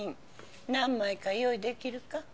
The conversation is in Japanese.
何枚か用意できるか？